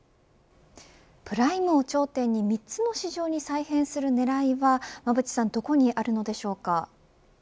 プライムを頂点に３つの市場に再編する狙いは馬渕さんどこにあるのでしょうか。